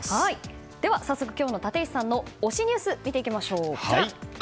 早速、今日の立石さんの推しニュースを見ていきましょう。